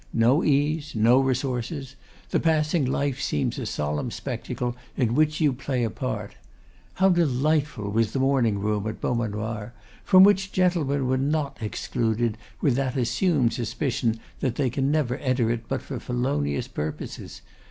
No ease, no resources; the passing life seems a solemn spectacle in which you play a part. How delightful was the morning room at Beaumanoir; from which gentlemen were not excluded with that assumed suspicion that they can never enter it but for felonious purposes.